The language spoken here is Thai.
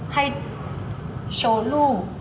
ให้โชว์รูป